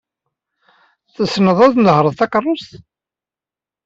Tessned ad tnehṛed takeṛṛust?